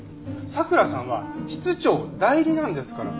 佐倉さんは室長代理なんですから。